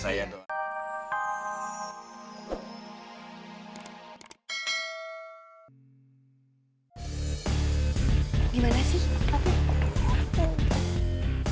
iya terima kasih